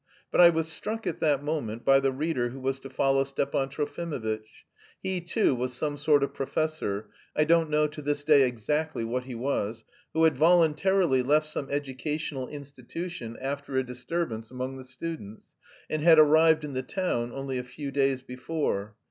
But I was struck at that moment by the reader who was to follow Stepan Trofimovitch. He, too, was some sort of professor (I don't know to this day exactly what he was) who had voluntarily left some educational institution after a disturbance among the students, and had arrived in the town only a few days before.